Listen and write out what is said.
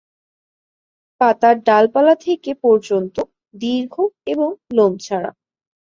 পাতার ডালপালা থেকে পর্যন্ত দীর্ঘ এবং লোম ছাড়া।